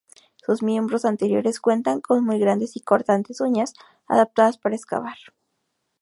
Sus miembros anteriores cuentan con muy grandes y cortantes uñas, adaptadas para excavar.